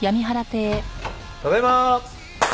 ただいま。